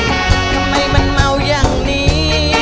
ทำไมมันเมาอย่างนี้